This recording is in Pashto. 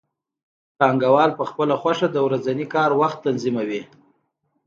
پانګوال په خپله خوښه د ورځني کار وخت تنظیموي